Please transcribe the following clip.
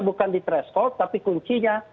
bukan di threshold tapi kuncinya